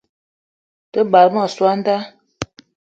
Te bagbe ma soo an da